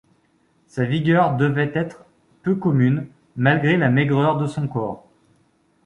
Sa vigueur devait être peu commune, malgré la maigreur de son corps.